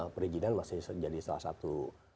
perizinan masih jadi salah satu